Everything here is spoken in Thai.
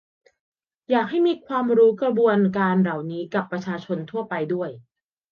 อยากให้มีให้ความรู้กระบวนการเหล่านี้กับประชาชนทั่วไปด้วย